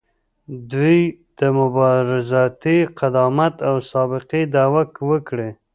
دوی د مبارزاتي قدامت او سابقې دعوه وکړي.